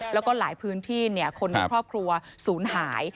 แล้วก็หลายพื้นที่คนในครอบครัวศูนย์หาย